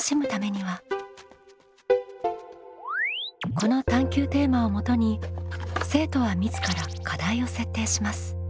この探究テーマをもとに生徒は自ら課題を設定します。